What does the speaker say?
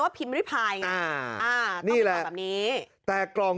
ว่าพิมพ์พลายไงอ่านี่แหละตามนี้แต่กล่อง